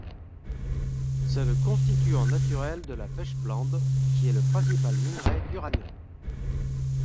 C'est le constituant naturel de la pechblende, qui est le principal minerai d'uranium.